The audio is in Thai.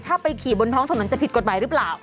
ถ้าไปขี่บนท้องถนนจะผิดกฎหมายหรือเปล่า